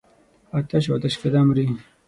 آتش او آتشکده مري.